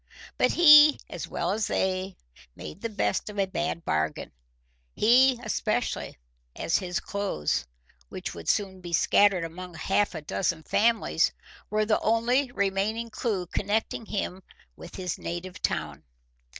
But he, as well as they, made the best of a bad bargain, he especially, as his clothes, which would be soon scattered among half a dozen families, were the only remaining clew connecting him with his native town.